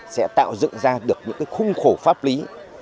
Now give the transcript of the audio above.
sẽ tạo dựng ra được những khung khổ pháp lý